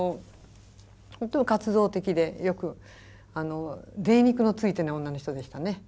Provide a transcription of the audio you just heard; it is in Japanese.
本当に活動的でよくぜい肉のついていない女の人でしたね。